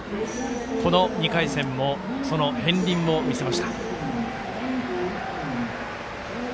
この２回戦もその片りんを見せました。